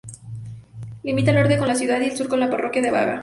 Limita al norte con la ciudad y al sur con la parroquia de Vega.